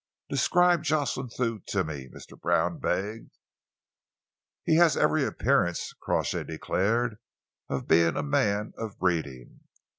"Describe Jocelyn Thew to me," Mr. Brown begged. "He has every appearance," Crawshay declared, "of being a man of breeding.